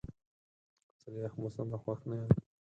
زه له یخ موسم نه خوښ نه یم.